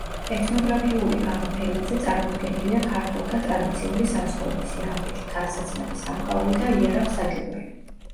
ეთნოგრაფიული გამოფენაზე წარმოდგენილია ქართველთა ტრადიციული საცხოვრისი, ავეჯი, ტანსაცმელი, სამკაული და იარაღ-საჭურველი.